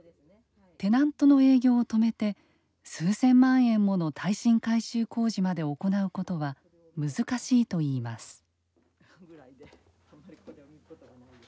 テナントの営業を止めて数千万円もの耐震改修工事まで行うことは難しいといいます。